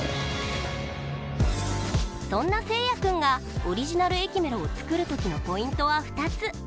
そんな、せいや君がオリジナル駅メロを作るときのポイントは２つ！